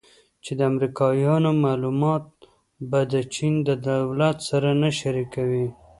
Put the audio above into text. چې د امریکایانو معلومات به د چین له دولت سره نه شریکوي